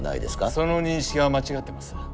その認識は間違ってます。